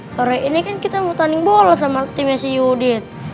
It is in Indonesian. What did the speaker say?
sore ini kan kita mau tanin bola sama timnya si yudit